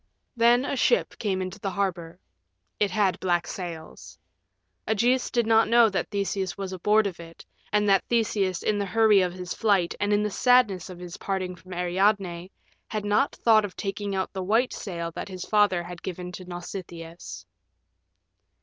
Then a ship came into the harbor. It had black sails. Ægeus did not know that Theseus was aboard of it, and that Theseus in the hurry of his flight and in the sadness of his parting from Ariadne had not thought of taking out the white sail that his father had given to Nausitheus.